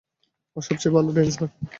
আর সবচেয়ে ভালো ড্যান্সার।